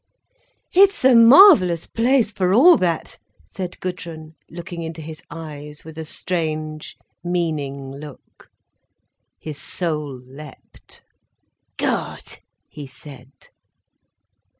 "It's a marvellous place, for all that," said Gudrun, looking into his eyes with a strange, meaning look. His soul leapt. "Good," he said.